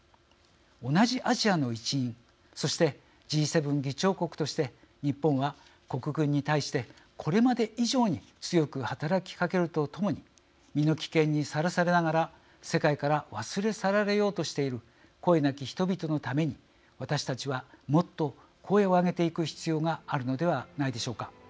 同じアジアの一員そして、Ｇ７議長国として日本は国軍に対してこれまで以上に強く働きかけるとともに身の危険にさらされながら世界から忘れさられようとしている声なき人々のために私たちはもっと声を上げていく必要があるのではないでしょうか。